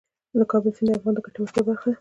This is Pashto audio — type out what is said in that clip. د کابل سیند د افغانانو د ګټورتیا برخه ده.